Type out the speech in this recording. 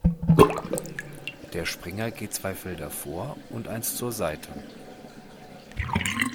Der Springer geht zwei Felder vor und eins zur Seite.